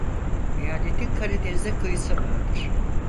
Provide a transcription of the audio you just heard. Eyaletin Karadeniz'e kıyısı vardır.